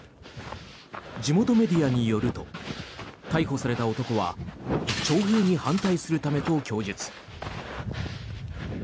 地元メディアによると逮捕された男は徴兵に反対するためと供述。